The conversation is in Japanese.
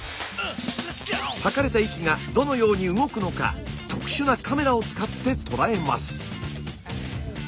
吐かれた息がどのように動くのか特殊なカメラを使って捉えます。